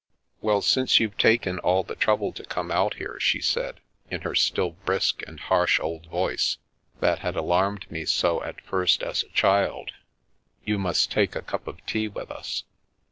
" Well, since you've taken all the trouble to come out here," she said, in her still brisk and harsh old voice, that had alarmed me so, at first, as a child, " you must take a it wc « The Milky Way cup of tea with us.